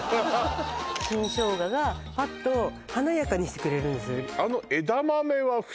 新生姜がパッと華やかにしてくれるんですよ